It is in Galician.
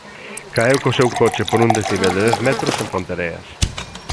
Caeu co seu coche por un desnivel de dez metros en Ponteareas.